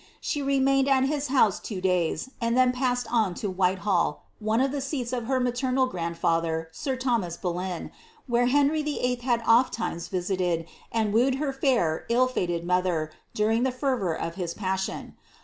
She remained at his house two days, and then psssed on to Newhall, one of the seats of her maternal grandfather, sir Thomas Boleyn, where Henry Vfll. had oflimes visited, and wooed her lur, ill ftted mother, during the fervour of his passion.